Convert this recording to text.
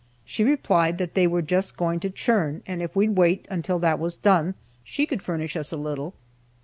She replied that they were just going to churn, and if we'd wait until that was done, she could furnish us a little.